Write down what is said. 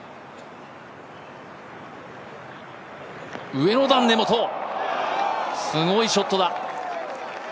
上の段根元、すごいショットだ。